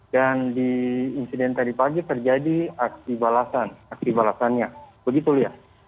dan di insiden tadi pagi terjadi aksi balasan aksi balasannya begitu lihat